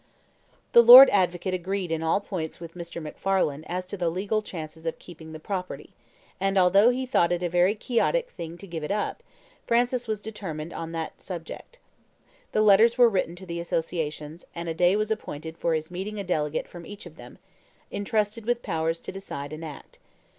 The Lord Advocate agreed in all points with Mr. MacFarlane as to the legal chances of keeping the property; and although he thought it a very quixotic thing to give it up, Francis was determined on that subject. The letters were written to the associations, and a day was appointed for his meeting a delegate from each of them, intrusted with powers to decide and act.